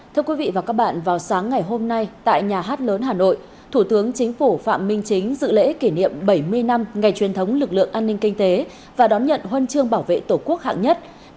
thưa quý vị và các bạn vào sáng ngày hôm nay tại nhà hát lớn hà nội thủ tướng chính phủ phạm minh chính dự lễ kỷ niệm bảy mươi năm ngày truyền thống lực lượng an ninh kinh tế và đón nhận huân chương bảo vệ tổ quốc hạng nhất